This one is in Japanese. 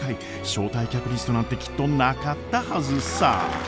招待客リストなんてきっとなかったはずさー。